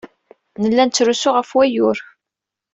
Nella nettrusu ɣef wayyur.